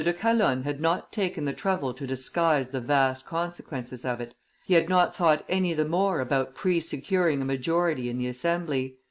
de Calonne had not taken the trouble to disguise the vast consequences of it; he had not thought any the more about pre securing a majority in the assembly.